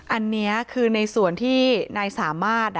อันนี้คือในส่วนที่นายสามารถ